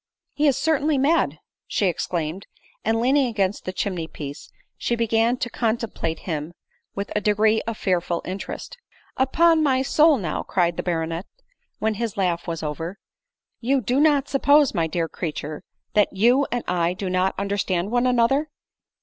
" He is certainly mad !" she exclaimed ; and leaning against the chimney piece, she began to contemplate him with a degree of fearful interest. " Upon my soul ! now," cried the baronet, when his laugh was over, " you do not suppose, my dear creature, that you and 1 do not understand one another